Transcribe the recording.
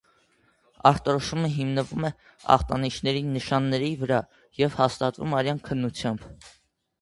Ախտորոշումը հիմնվում է ախտանիշների, նշանների վրա և հաստատվում է արյան քննությամբ։